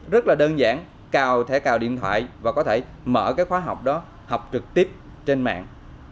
rất là đơn giản cào thẻ cào điện thoại và có thể mở cái khóa học đó học trực tiếp trên mạng